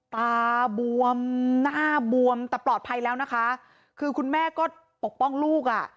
ตาบวมหน้าบวมแต่ปลอดภัยแล้วนะคะคือคุณแม่ก็ปกป้องลูกอ่ะ